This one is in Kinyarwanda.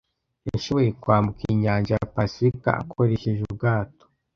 Yashoboye kwambuka inyanja ya pasifika akoresheje ubwato.